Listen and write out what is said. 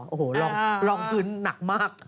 โอ้โหลองพื้นหนักมาก